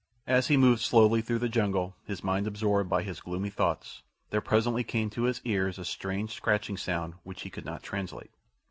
As he moved slowly through the jungle his mind absorbed by his gloomy thoughts, there presently came to his ears a strange scratching sound which he could not translate.